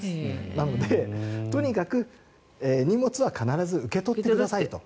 なので、とにかく荷物は必ず受け取ってくださいと。